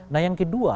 nah yang kedua